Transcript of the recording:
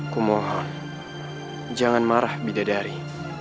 kumohon jangan marah bidadari